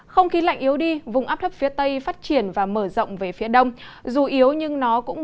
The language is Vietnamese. không khí lạnh yếu đi vùng áp thấp phía tây phát triển và mở rộng về phía đông